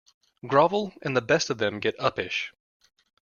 Grovel, and the best of them get uppish.